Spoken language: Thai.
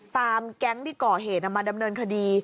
แก๊งที่ก่อเหตุมาดำเนินคดี